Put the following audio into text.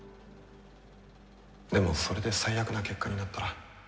でもそれで最悪な結果になったら。